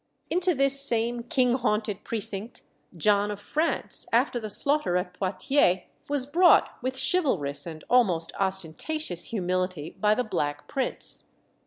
Into this same king haunted precinct John of France, after the slaughter at Poitiers, was brought with chivalrous and almost ostentatious humility by the Black Prince.